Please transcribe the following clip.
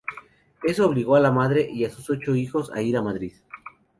Eso obligó a la madre y a sus ocho hijos a ir a Madrid.